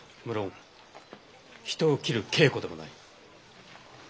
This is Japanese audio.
無論人を斬る稽古でもない。